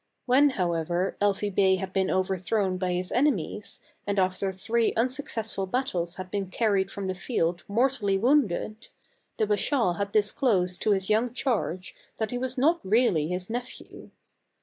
When, however, Elfi Bey had been over thrown by his enemies, and after three unsuccess ful battles had been carried from the field mortally wounded, the Bashaw had disclosed to his young charge that he was not really his nephew.